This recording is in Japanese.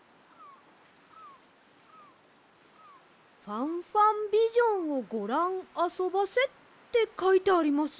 「ファンファンビジョンをごらんあそばせ」ってかいてあります。